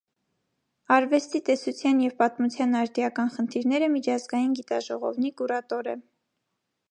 «Արվեստի տեսության և պատմության արդիական խնդիրները» միջազգային գիտաժողովնի կուրատոր է։